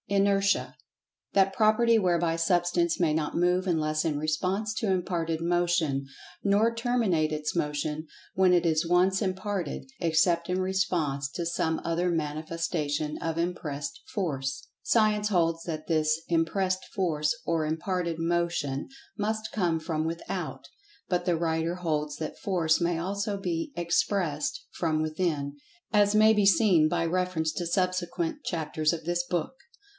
Inertia: That property whereby Substance may not move unless in response to imparted Motion; nor terminate its Motion, when it is once imparted, except in response to some[Pg 79] other manifestation of impressed Force. Science holds that this "impressed Force" or "imparted Motion" must come from without, but the writer holds that Force may also be "expressed" from "within," as may be seen by reference to subsequent chapters of this book.